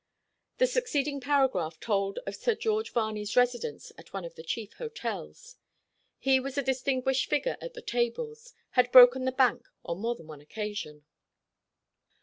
The succeeding paragraph told of Sir George Varney's residence at one of the chief hotels. He was a distinguished figure at the tables, had broken the bank on more than one occasion.